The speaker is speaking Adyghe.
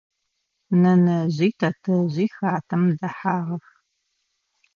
Нэнэжъи тэтэжъи хатэм дэхьагъэх.